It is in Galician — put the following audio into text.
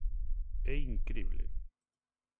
¡É incrible!